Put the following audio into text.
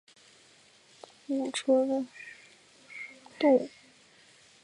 多变尻参为尻参科尻参属的动物。